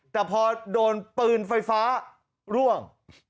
แต่พอโดนปืนไฟฟ้าร่วง